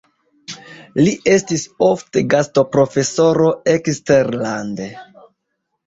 Li estis ofte gastoprofesoro eksterlande.